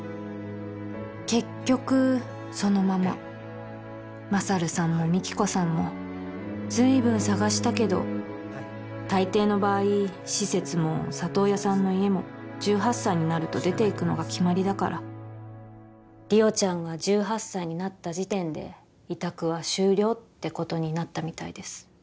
結局そのまま勝さんも美貴子さんもずいぶん捜したけど大抵の場合施設も里親さんの家も１８歳になると出ていくのが決まりだから莉桜ちゃんが１８歳になった時点で委託は終了ってことになったみたいです